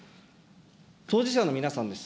当事者の皆さんです。